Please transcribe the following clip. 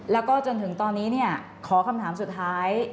แล้วก็จนถึงตอนนี้ขอคำถามสุดท้าย